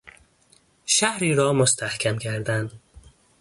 شهری را مستحکم کردن